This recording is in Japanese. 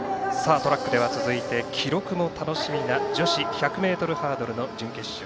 トラックでは続いて記録も楽しみな女子１００ｍハードルの準決勝。